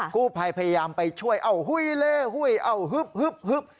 กู้ภัยพยายามไปช่วยเอาหุ้ยเล่หุ้ยเอาฮึบ